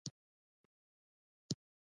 خدۍ بېرته د سلیمان خېل ښځه شوه.